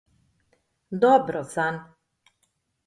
Dobro zanj.